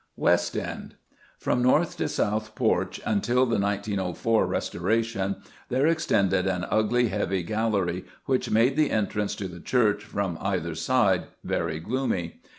West End. From north to south porch, until the 1904 restoration, there extended an ugly, heavy gallery, which made the entrance to the church, from either side, very gloomy.